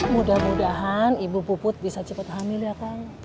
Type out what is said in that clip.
mudah mudahan ibu puput bisa cepat hamil ya kang